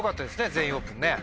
「全員オープン」ね。